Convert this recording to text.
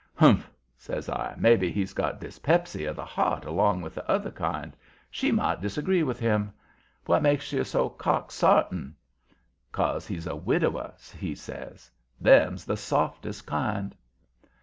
"Humph!" says I, "maybe he's got dyspepsy of the heart along with the other kind. She might disagree with him. What makes you so cock sartin?" "'Cause he's a widower," he says. "Them's the softest kind."